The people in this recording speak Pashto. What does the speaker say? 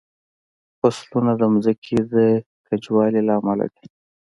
فصلونه د ځمکې د کجوالي له امله دي.